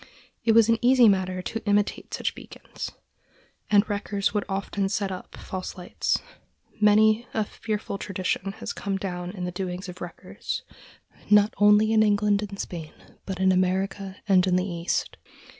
It was an easy matter to imitate such beacons, and wreckers would often set up false lights. Many a fearful tradition has come down of the doings of wreckers, not only in England and Spain, but in America and in the East.